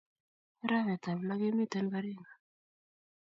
Arawet ab loo kemiten Baringo.